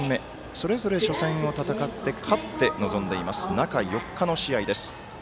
それぞれ初戦を戦って勝って臨んでいます、中４日の試合です。